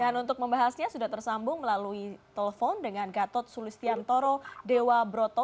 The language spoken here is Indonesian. dan untuk membahasnya sudah tersambung melalui telepon dengan gatot sulistiantoro dewa broto